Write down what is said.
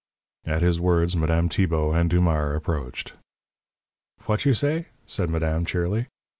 At his words, Madame Tibault and Dumars approached. "H'what you say?" said madame, cheerily.